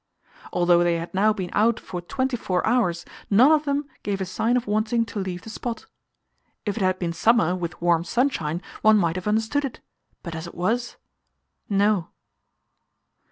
Although they had now been out for twenty four hours, none of them gave a sign of wanting to leave the spot. If it had been summer, with warm sunshine, one might have understood it; but as it was no!